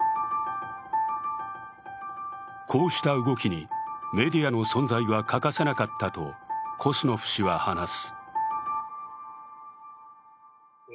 こうした動きにメディアの存在は欠かせなかったとコスノフ氏は話す。